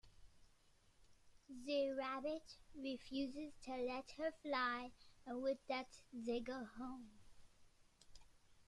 Rabbit refuses to let her fly, and with that, they go home.